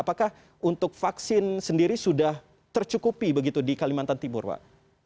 apakah untuk vaksin sendiri sudah tercukupi begitu di kalimantan timur pak